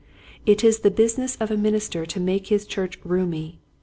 It is the business of a minister to make his church roomy.